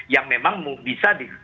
yang memang bisa di